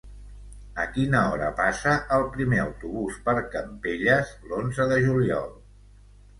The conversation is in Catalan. A quina hora passa el primer autobús per Campelles l'onze de juliol?